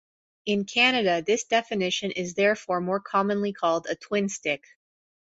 In Canada, this definition is therefore more commonly called a "twinstick".